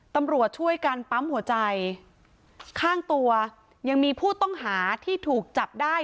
ตำรวจช่วยกันปั๊มหัวใจข้างตัวยังมีผู้ต้องหาที่ถูกจับได้